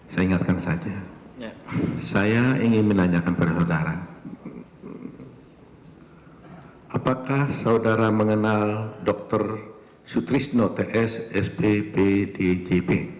saya ingatkan saja saya ingin menanyakan pada saudara apakah saudara mengenal dr sutrisno ts sppdjp